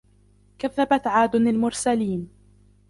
كَذَّبَتْ عَادٌ الْمُرْسَلِينَ